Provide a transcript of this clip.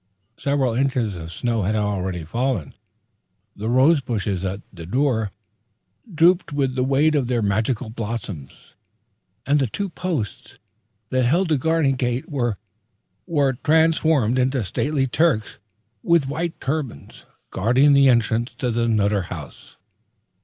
Several inches of snow had already fallen. The rose bushes at the door drooped with the weight of their magical blossoms, and the two posts that held the garden gate were transformed into stately Turks, with white turbans, guarding the entrance to the Nutter House.